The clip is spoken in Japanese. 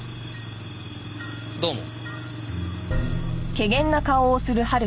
どうも。